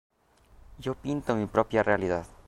Yo pinto mi propia realidad".